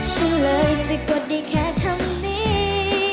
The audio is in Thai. ฉันเลยสะกดดีแค่คำนี้